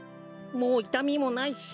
もういたみもないし。